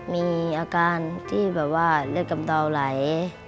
มีอาการที่แบบว่าเลือดกำเดาไหล